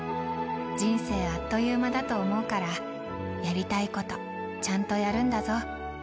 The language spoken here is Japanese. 人生あっという間だと思うから、やりたいこと、ちゃんとやるんだぞ。